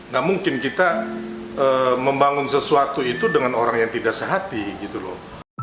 gak mungkin kita membangun sesuatu itu dengan orang yang tidak sehati gitu loh